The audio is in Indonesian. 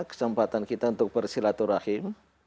kesempatan kita untuk bersilaturahim